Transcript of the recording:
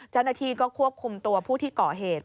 เจ้าหน้าที่ก็ควบคุมตัวผู้ที่ก่อเหตุ